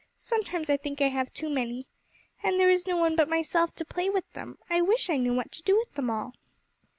Sometimes I think I have too many. And there is no one but myself to play with them. I wish I knew what to do with them all.